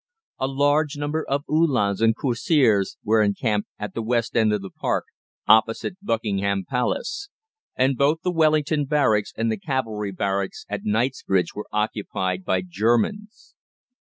A large number of Uhlans and Cuirassiers were encamped at the west end of the Park, opposite Buckingham Palace, and both the Wellington Barracks and the Cavalry Barracks at Knightsbridge were occupied by Germans.